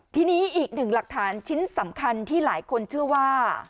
ทีนี้อีกหนึ่งหลักฐานชิ้นสำคัญที่หลายคนเชื่อว่า